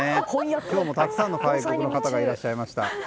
今日もたくさんの方がいらっしゃいました。